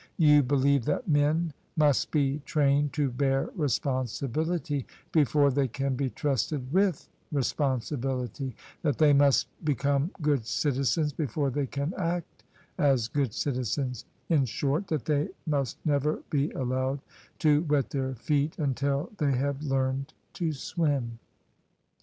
You believe that men must be trained to bear responsibility before they can be trusted with responsibility: that they must be come good citizens before they can act as good citizens: in short, that they must never be allowed to wet their feet until they have learned to swim."